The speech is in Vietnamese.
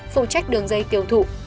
phụ trách đường dây tiêu thụ